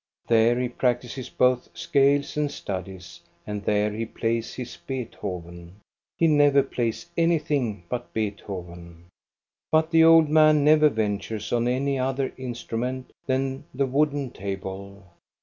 There he practises both scales and studies, and there he plays his Beethoven. He never plays anything but Beethoven. But the old man never ventures on any other in strument than the wooden table.